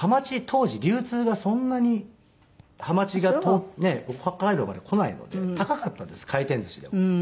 当時流通がそんなにハマチがねえ北海道まで来ないので高かったんです回転寿司でも。